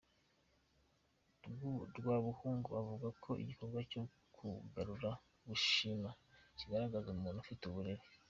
Rwabuhungu avuga ko igikorwa cyo kugaruka gushima, kigaragaza umuntu ufite uburere.